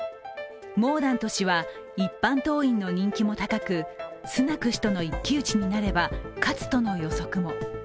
モーダント氏は一般党員の人気も高く、スナク氏との一騎打ちになれば勝つとの予測も。